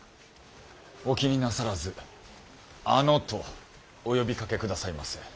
お気になさらず「あの」とお呼びかけ下さいませ。